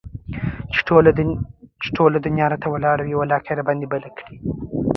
چې ټوله دنيا راته واوړي ولاکه يي راباندى بله کړي